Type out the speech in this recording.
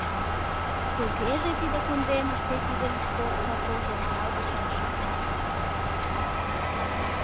Тыгеже тиде кундемыште тиде листовка Кожеръял гычак шарла.